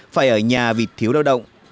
phải ở nhà vì thiếu lao động